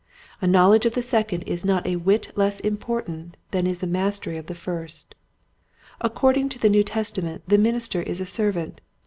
A knowledge of the second is not a whit less important than is a mastery of the first. According to the New Testament the minister is a servant.